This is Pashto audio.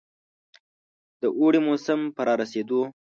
د اوړي موسم په رارسېدو.